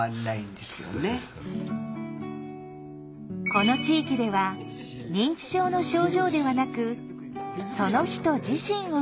この地域では「認知症の症状」ではなく「その人」自身を見ているといいます。